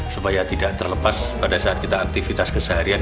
supaya tidak terlepas pada saat kita aktivitas keseharian